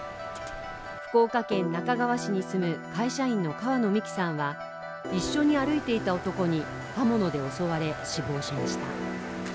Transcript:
福岡県那珂川市に住む会社員の川野美樹さんは一緒に歩いていた男に刃物で襲われ、死亡しました。